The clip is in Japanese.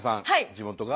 地元が。